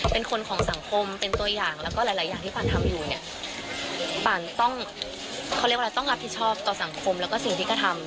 เป็นคนของสังคมเป็นตัวอย่างแล้วก็หลายอย่างที่ป่านทำอยู่ป่านต้องรับผิดชอบต่อสังคมแล้วก็สิ่งที่กระทำ